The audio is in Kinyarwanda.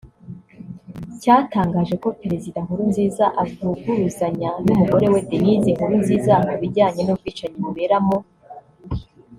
cyatangaje ko Perezida Nkurunziza avuguruzanya n’umugore we Denise Nkurunziza ku bijyanye n’ubwicanyi bubera mu Burundi